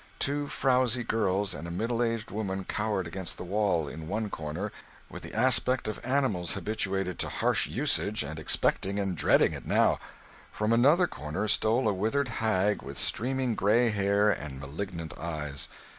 Two frowsy girls and a middle aged woman cowered against the wall in one corner, with the aspect of animals habituated to harsh usage, and expecting and dreading it now. From another corner stole a withered hag with streaming grey hair and malignant eyes.